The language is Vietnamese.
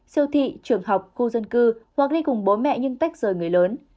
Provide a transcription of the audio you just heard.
siêu thị trường học khu dân cư hoặc đi cùng bố mẹ nhưng tách rời người lớn